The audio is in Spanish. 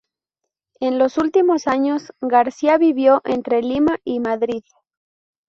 En los últimos años, García vivió entre Lima y Madrid.